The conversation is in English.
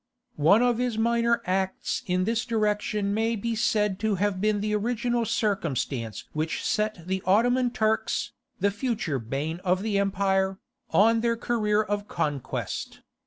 One of his minor acts in this direction may be said to have been the original circumstance which set the Ottoman Turks, the future bane of the empire, on their career of conquest.